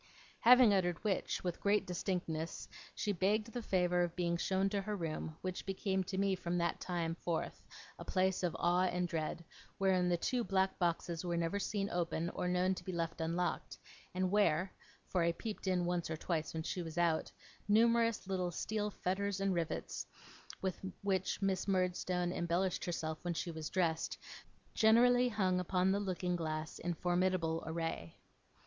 Having uttered which, with great distinctness, she begged the favour of being shown to her room, which became to me from that time forth a place of awe and dread, wherein the two black boxes were never seen open or known to be left unlocked, and where (for I peeped in once or twice when she was out) numerous little steel fetters and rivets, with which Miss Murdstone embellished herself when she was dressed, generally hung upon the looking glass in formidable array.